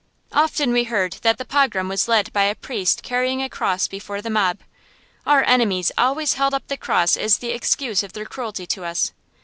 Often we heard that the pogrom was led by a priest carrying a cross before the mob. Our enemies always held up the cross as the excuse of their cruelty to us.